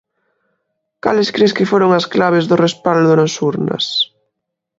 Cales cres que foron as claves do respaldo nas urnas?